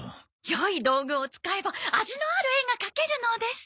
よい道具を使えば味のある絵が描けるのです。